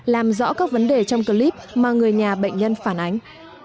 làm rõ các vấn đề trong clip mà người nhà bệnh nhân phản ánh